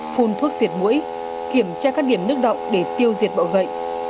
phun thuốc diệt mũi kiểm tra các điểm nước động để tiêu diệt bọ gậy